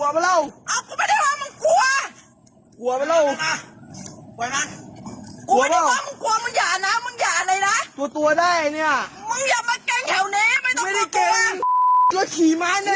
เสียงกันแบบนี้ฝืนไปดั่งร่านน่ะ